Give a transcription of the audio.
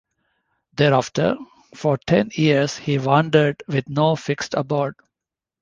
Thereafter, for ten years he wandered with no fixed abode.